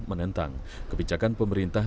menentang kebijakan pemerintah